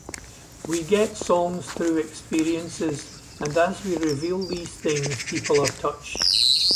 We get songs through experiences and as we reveal these things, people are touched.